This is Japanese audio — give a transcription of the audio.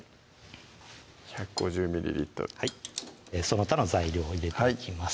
１５０はいその他の材料を入れていきます